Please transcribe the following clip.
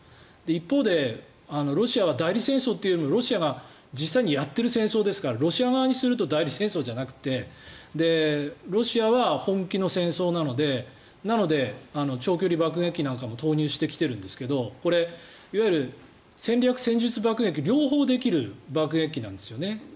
一方でロシアは代理戦争というよりも、ロシアが実際にやってる戦争ですからロシア側にすると代理戦争じゃなくてロシアは本気の戦争なので長距離爆撃機なんかも投入してきてるんですけどこれ、いわゆる戦略・戦術爆撃両方できる爆撃機なんですよね。